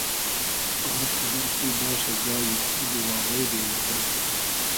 آر قئدئر کی باشۂ جایی خوب و واوݷ بې مئزۂ